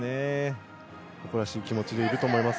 誇らしい気持ちでいると思います。